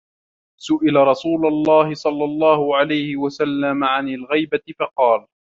سُئِلَ رَسُولُ اللَّهِ صَلَّى اللَّهُ عَلَيْهِ وَسَلَّمَ عَنْ الْغِيبَةِ فَقَالَ